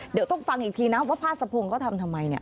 เดี๋ยวต้องฟังอีกทีนะว่าพาสะพงศ์เขาทำทำไมเนี่ย